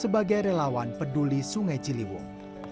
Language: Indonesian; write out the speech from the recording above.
sebagai relawan peduli sungai ciliwung